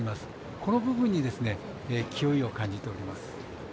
この部分に気負いを感じております。